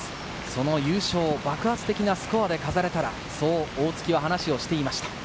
その優勝を爆発的なスコアで飾れたら、そう大槻は話していました。